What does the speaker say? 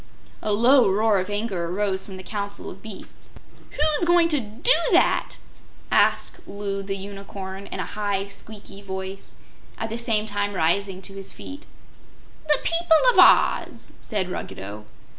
A low roar of anger arose from the Council of Beasts. "WHO'S going to do that?" asked Loo the Unicorn, in a high, squeaky voice, at the same time rising to his feet. "The people of Oz," said Ruggedo.